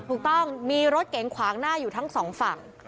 ถูกต้องมีรถเก๋งขวางหน้าอยู่ทั้งสองฝั่ง